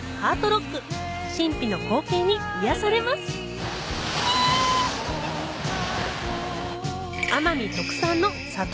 ロック神秘の光景に癒やされますキャ！